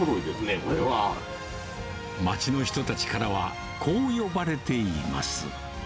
町の人たちからは、こう呼ばれています。